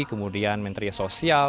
kemudian menteri sosial